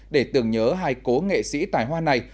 để tưởng nhớ hai cố nghệ sĩ tài hoa này